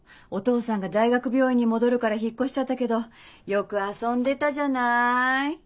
お父さんが大学病院に戻るから引っ越しちゃったけどよく遊んでたじゃない。